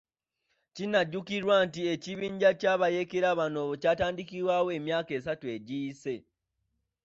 Kinajjukirwa nti ekibinja ky'abayeekera bano kyatandikibwawo emyaka asatu egiyise.